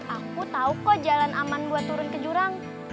aku tahu kok jalan aman buat turun ke jurang